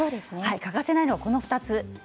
欠かせないのはこの２つです。